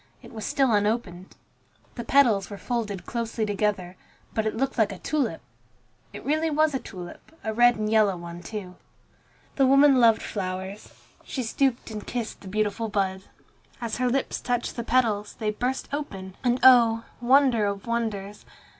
It was still unopened. The petals were folded closely together, but it looked like a tulip. It really was a tulip, a red and yellow one, too. The woman loved flowers. She stooped and kissed the beautiful bud. As her lips touched the petals, they burst open, and oh! wonder of wonders!